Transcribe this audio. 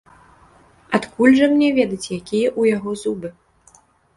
Адкуль жа мне ведаць, якія ў яго зубы?